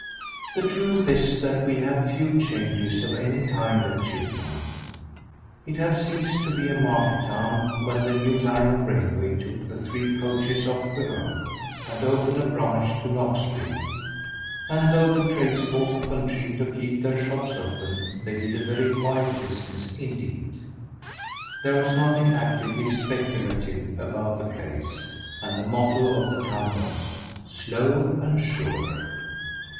The truth is that we had few changes of any kind at Chewton. It had ceased to be a market town when the new line of railway took the three coaches off the road, and opened a branch to Noxby; and though the tradesfolk contrived to keep their shops open they did a very quiet business indeed. There was nothing actively speculative about the place, and the motto of the town was "Slow and sure."